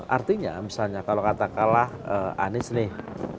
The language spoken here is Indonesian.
artinya misalnya kalau kata kalah anies nih